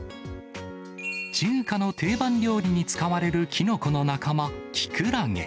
中華の定番料理に使われるきのこの仲間、きくらげ。